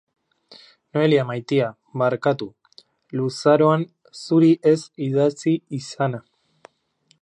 Noelia maitea, barkatu luzaroan zuri ez idatzi izana.